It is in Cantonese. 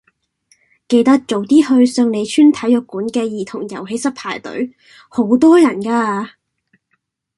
記得早啲去順利邨體育館嘅兒童遊戲室排隊，好多人㗎。